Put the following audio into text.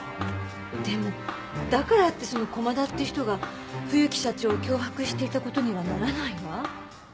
でもだからってその駒田って人が冬木社長を脅迫していた事にはならないわ。